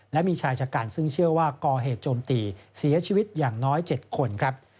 และมีชายชะกันซึ่งเชื่อว่าก่อเหตุโจมตีเสียชีวิตอย่างน้อย๗คนครับ